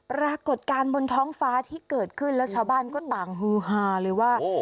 ปรากฏการณ์บนท้องฟ้าที่เกิดขึ้นแล้วชาวบ้านก็ต่างฮือฮาเลยว่า